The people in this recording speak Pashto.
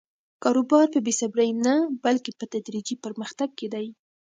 کاروبار په بې صبري نه، بلکې په تدریجي پرمختګ کې دی.